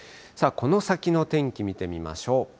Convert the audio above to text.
この先の天気、見てみましょう。